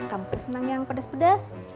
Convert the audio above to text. kamu kesenang yang pedes pedes